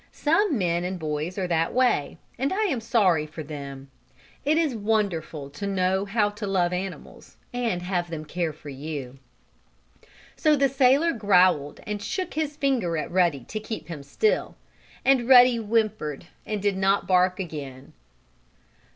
Some men and boys are that way, and I am sorry for them. It is wonderful to know how to love animals, and have them care for you. So the sailor growled and shook his finger at Ruddy to make him keep still, and Ruddy whimpered and did not bark again.